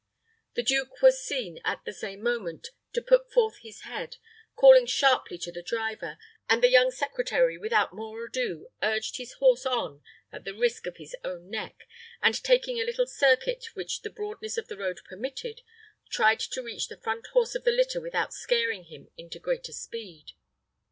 The duke was seen at the same moment to put forth his head, calling sharply to the driver, and the young secretary, without more ado, urged his horse on at the risk of his own neck, and, taking a little circuit which the broadness of the road permitted, tried to reach the front horse of the litter without scaring him into greater speed.